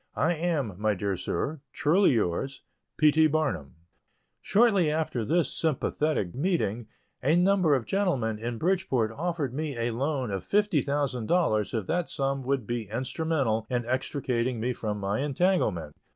I am, my dear Sir, truly yours, P. T. BARNUM. Shortly after this sympathetic meeting, a number of gentlemen in Bridgeport offered me a loan of $50,000 if that sum would be instrumental in extricating me from my entanglement.